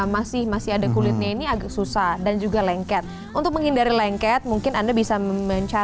masih masih ada kulitnya ini agak susah dan juga lengket untuk menghindari lengket mungkin anda bisa mencari